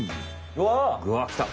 うわきた。